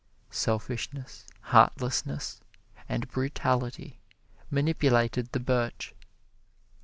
Selfishness, heartlessness and brutality manipulated the birch.